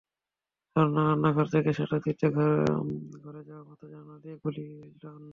ঝর্ণা রান্নাঘর থেকে সেটা দিতে ঘরে যাওয়া মাত্রই জানালা দিয়া গুলি আইলো।